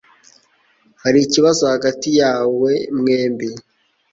Hari ikibazo hagati yawe mwembi?